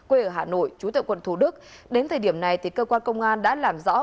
ở hà nội trú tại quận thủ đức đến thời điểm này cơ quan công an đã làm rõ